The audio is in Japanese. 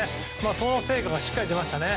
その成果がしっかり出ましたね。